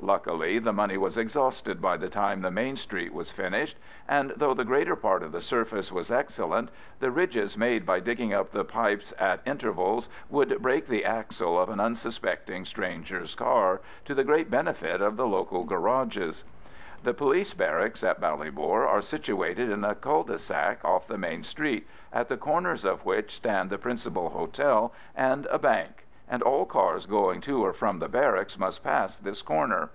Luckily the money was exhausted by the time the main street was finished, and though the greater part of the surface was excellent, the ridges made by digging up the pipes at intervals would break the axle of an unsuspecting stranger's car, to the great benefit of the local garages. The police barracks at Ballybor are situated in a "cul de sac" off the main street, at the corners of which stand the principal hotel and a bank, and all cars going to or from the barracks must pass this corner.